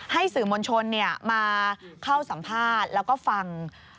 ให้สื่อมณชนเนี่ยมาเข้าสัมภาษณ์แล้วก็ฟัง